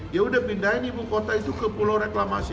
dia udah pindahin ibu kota itu ke pulau reklamasi